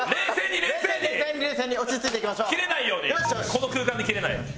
この空間でキレないように。